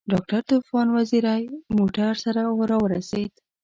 ډاکټر طوفان وزیری موټر سره راورسېد.